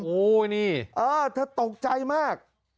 โอ้โหนี่เธอตกใจมาก